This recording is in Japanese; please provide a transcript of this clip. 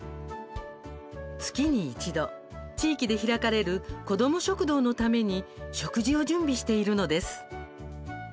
月に一度、地域で開かれるこども食堂のために食事を準備しているのです。